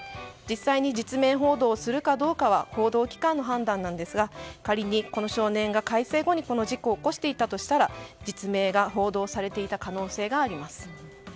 実際に実名報道をするかどうかは報道機関の判断ですが仮に、この少年が改正後にこの事故を起こしていたとしたら実名が報道されていた可能性があります。